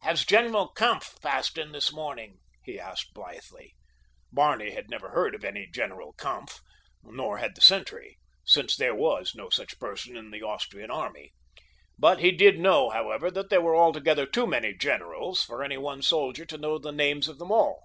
"Has General Kampf passed in this morning?" he asked blithely. Barney had never heard of any "General Kampf," nor had the sentry, since there was no such person in the Austrian army. But he did know, however, that there were altogether too many generals for any one soldier to know the names of them all.